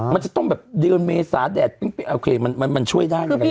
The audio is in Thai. มันจะต้องแบบเดือนเมษาแดดโอเคมันช่วยได้อย่างเงี้ยอ๋อ